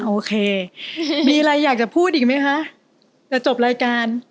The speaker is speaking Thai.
โอเคมีอะไรอยากจะพูดอีกไหมคะจะจบรายการ